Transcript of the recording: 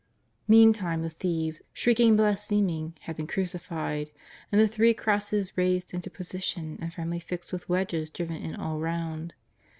Meantime the thieves, shrieking and blaspheming, had been crucified, and the three crosses raised into po sition and firmly fixed with wedges driven in all round.